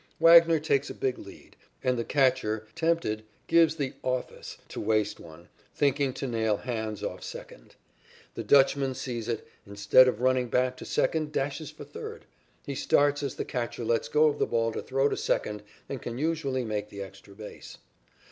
Wagner takes a big lead, and the catcher, tempted, gives the "office" to waste one, thinking to nail "Hans" off second. The Dutchman sees it, and instead of running back to second dashes for third. He starts as the catcher lets go of the ball to throw to second and can usually make the extra base.